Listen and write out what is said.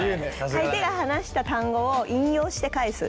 相手が話した単語を引用して返す。